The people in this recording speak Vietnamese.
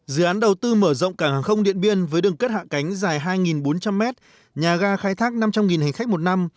dự án đầu tư mở rộng cảng hàng không điện biên với đường cất hạ cánh dài hai bốn trăm linh m nhà ga khai thác năm trăm linh hành khách một năm